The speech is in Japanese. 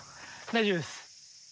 大丈夫です。